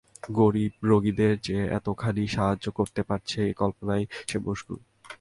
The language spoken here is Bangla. গরীব রোগীদের যে এতখানি সাহায্য করতে পারছে, এই কল্পনায় সে মশগুল।